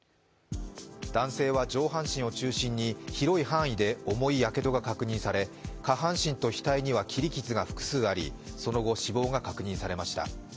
男性は上半身を中心に広い範囲で重いやけどが確認され下半身と額には切り傷が複数ありその後、死亡が確認されました。